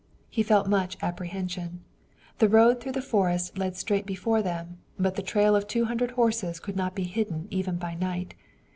He felt much apprehension. The road through the forest led straight before them, but the trail of two hundred horses could not be hidden even by night.